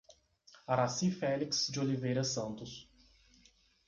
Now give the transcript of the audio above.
Araci Felix de Oliveira Santos